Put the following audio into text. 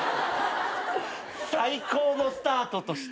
最高のスタートとして。